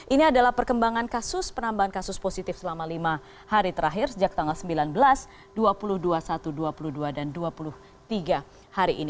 ini adalah perkembangan kasus penambahan kasus positif selama lima hari terakhir sejak tanggal sembilan belas dua puluh dua puluh satu dua puluh dua dan dua puluh tiga hari ini